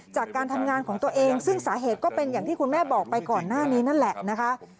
จากการทำงานของตัวเองซึ่งสาเหตุก็เป็นอย่างที่คุณแม่บอกไปก่อนหน้านี้นั่นแหละนะคะ